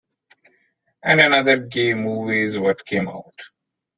And Another Gay Movie's what came out.